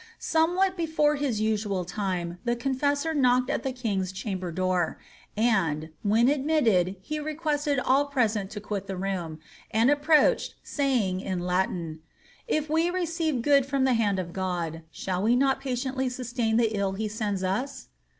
Somewhat before his usual time the con feasor knocked at the king's chamber door, and, when admitted, he re quested all present to quit the room, and approached, saying, in Latin, ^ if we receive good from the hand of God, shall we not patiently sus tain the ill he sends us